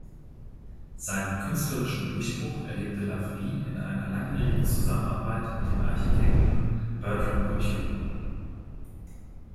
Seinen künstlerischen Durchbruch erlebte Lawrie in einer langjährigen Zusammenarbeit mit dem Architekten Bertram Goodhue.